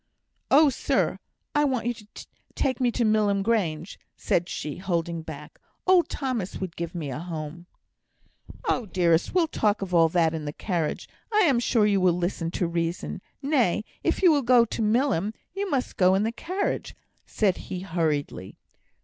"Oh, sir! I want you to take me to Milham Grange," said she, holding back. "Old Thomas would give me a home." "Well, dearest, we'll talk of all that in the carriage; I am sure you will listen to reason. Nay, if you will go to Milham you must go in the carriage," said he, hurriedly.